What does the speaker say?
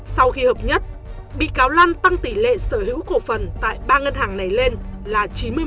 sau khi hợp nhất bị cáo lan tăng tỷ lệ sở hữu cổ phần tại ba ngân hàng này lên là chín mươi